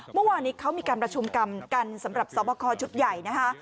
เมื่อวานนี้เขามีการประชุมกรรมกันสำหรับสอบคอชุดใหญ่นะคะ